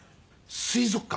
水族館。